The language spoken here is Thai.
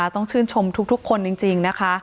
ต้องชื่นชมทุกคนจริงนะคะ